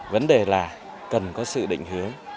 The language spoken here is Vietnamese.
vấn đề là cần có sự định hướng